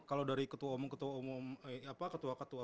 kalau dari ketua ketua